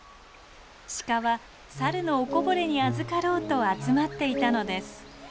シカはサルのおこぼれにあずかろうと集まっていたのです。